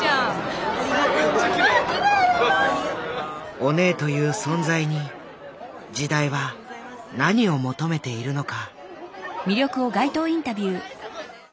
オネエという存在に時代は何を求めているのか。